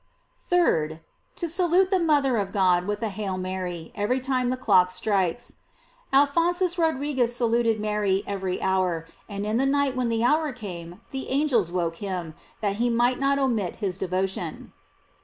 3d. To salute the mother of Go<3 with a "Hail Mary," every time the clock strikes. Alphonsus Rodriguez saluted Mary every hour, and in the night when the hour came, the angels awoke him, that he might not omit his de votion.